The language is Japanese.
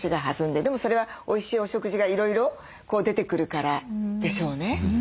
でもそれはおいしいお食事がいろいろ出てくるからでしょうね。